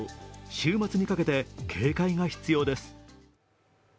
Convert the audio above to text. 週末にかけて警戒が必要です。